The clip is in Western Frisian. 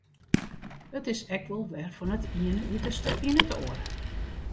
It is ek wol wer fan it iene uterste yn it oare.